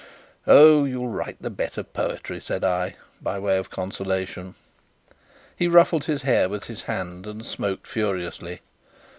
"Oh, you'll write the better poetry," said I, by way of consolation. He ruffled his hair with his hand and smoked furiously.